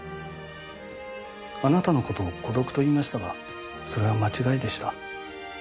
あなたの事を孤独と言いましたがそれは間違いでした。